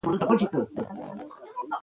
د ملګرو مشوره ترلاسه کړئ.